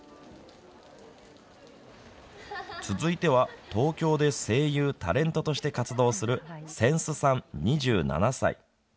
続いては東京で声優タレントとして活動するせんすさん、２７歳。